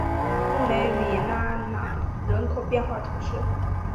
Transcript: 圣雷米拉瓦朗人口变化图示